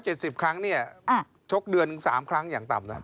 ท่าน๑๗๐ครั้งนี่ทุกเดือนถึง๓ครั้งอย่างต่ำนั่น